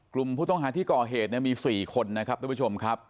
กลุ่มผู้ต้องหาที่ก่อเหตุมี๔คนนะครับทุกผู้ชมครับ